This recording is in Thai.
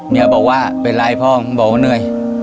เมียบอกว่าเป็นไรพ่อบอกว่าเหนื่อย